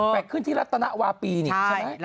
แต่ขึ้นที่รัตนวาปีนี่ใช่ไหม